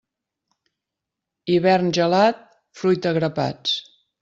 Hivern gelat, fruita a grapats.